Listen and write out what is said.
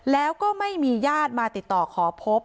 แล้วก็ไม่มีญาติมาติดต่อขอพบ